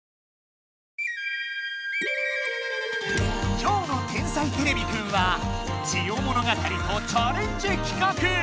今日の「天才てれびくん」は「ジオ物語」とチャレンジ企画！